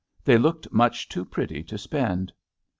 They looked much too pretty to spend.